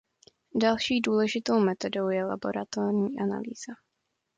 Další důležitou metodou je laboratorní analýza.